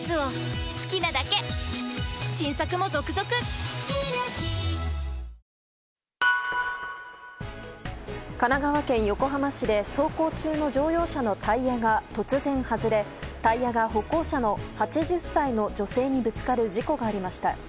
スコアを２つ逃した渋野は神奈川県横浜市で走行中の乗用車のタイヤが突然外れタイヤが歩行者の８０歳の女性にぶつかる事故がありました。